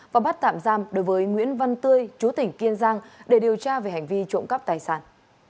và bắt tạm giam đối với nguyễn văn tươi chú tỉnh kiên giang để điều tra về hành vi trộm cắp tài sản